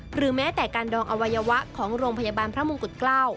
หรือแม้แต่การดองอวัยวะของโรงพยาบาลพระมงกุฎเกล้า